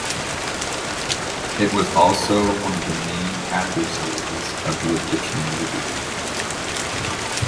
It was also one of the main adversaries of the Egyptian Navy.